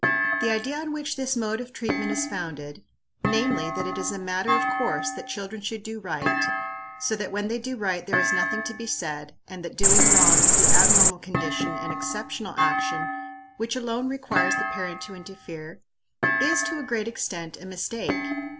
The idea on which this mode of treatment is founded namely, that it is a matter of course that children should do right, so that when they do right there is nothing to be said, and that doing wrong is the abnormal condition and exceptional action which alone requires the parent to interfere is, to a great extent, a mistake.